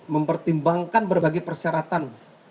mempertimbangkan berbagai persyaratan